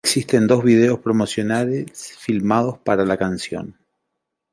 Existen dos videos promocionales filmadas para la canción.